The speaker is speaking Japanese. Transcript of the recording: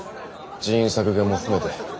人員削減も含めて。